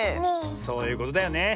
そういうことだよね。